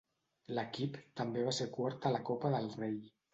L'equip també va ser quart a la Copa del Rei.